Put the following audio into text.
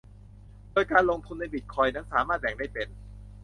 โดยการลงทุนในบิตคอยน์นั้นสามารถแบ่งได้เป็น